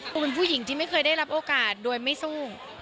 เป็นผู้หญิงที่ไม่เคยได้รับโอกาสโดยไม่สู้